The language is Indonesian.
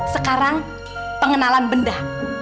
sekarang pengenalan benda